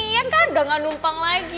iya kan udah gak numpang lagi